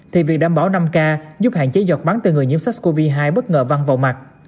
thì việc đảm bảo năm k giúp hạn chế giọt bắn từ người nhiễm sars cov hai bất ngờ văng vào mặt